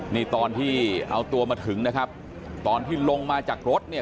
นี่ตอนที่เอาตัวมาถึงนะครับตอนที่ลงมาจากรถเนี่ย